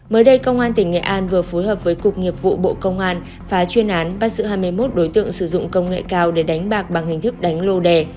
mới đây công an tỉnh nghệ an vừa phối hợp với cục nghiệp vụ bộ công an phá chuyên án bắt giữ hai mươi một đối tượng sử dụng công nghệ cao để đánh bạc bằng hình thức đánh lô đề